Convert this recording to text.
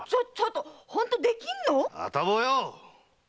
ちょっとホントできるの？あたぼうよ！